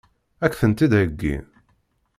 Ad k-tent-id-heggin?